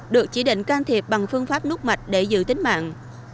được chỉ định can thiệp bằng phương pháp nút mạch để giữ tính mạng